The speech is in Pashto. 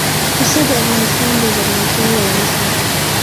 پسه د افغانستان د زرغونتیا یوه نښه ده.